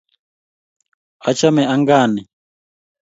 achame ankaa ni